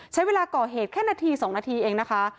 ใช้เวลาก่อเหตุแค่นาที๒นาทีเองนะคะ